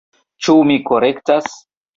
Ĉu mi korektas?